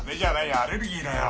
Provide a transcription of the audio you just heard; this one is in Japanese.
アレルギーだよ。